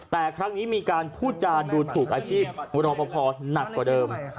แต่ครั้งนี้มีการพูดจาดูถูกอาชีพรอปภหนักกว่าเดิม